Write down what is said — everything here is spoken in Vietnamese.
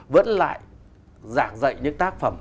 vẫn lại giảng dạy những tác phẩm